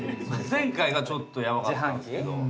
前回がちょっとヤバかったんすけど。